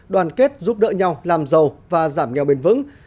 đoàn kết giúp đỡ nhau làm giàu và giảm nghèo bền vững